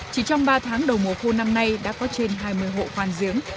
chỉ trong ba tháng đầu mùa khô năm nay đã có trên hai mươi hộ khoan giếng